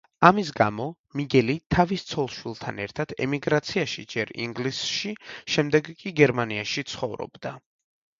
ამის გამო, მიგელი თავის ცოლ-შვილთან ერთად ემიგრაციაში ჯერ ინგლისში, შემდეგ კი გერმანიაში ცხოვრობდა.